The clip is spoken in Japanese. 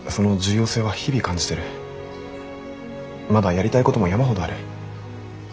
まだやりたいことも山ほどある。